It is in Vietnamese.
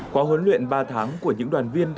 qua huấn luyện ba tháng của những đoàn viên